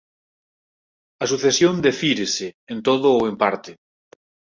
A sucesión defírese, en todo ou en parte